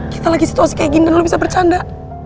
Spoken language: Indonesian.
kita lagi situasi kayak gini dulu bisa bercanda